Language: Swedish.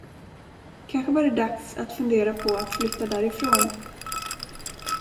Kanske var det dags att fundera på att flytta därifrån.